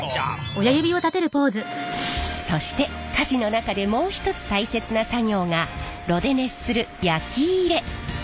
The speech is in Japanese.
そして鍛冶の中でもう一つ大切な作業が炉で熱する焼き入れ。